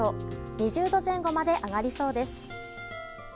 ２０度前後まで上がりそうです。